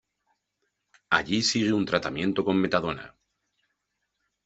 Allí sigue un tratamiento con metadona.